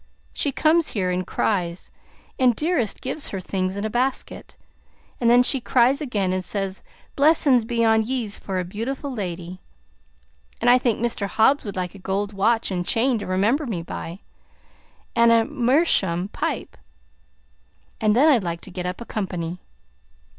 She comes here and cries, and Dearest gives her things in a basket, and then she cries again, and says: 'Blessin's be on yez, for a beautiful lady.' And I think Mr. Hobbs would like a gold watch and chain to remember me by, and a meerschaum pipe. And then I'd like to get up a company."